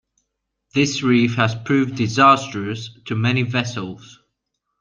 This reef has proved disastrous to many vessels.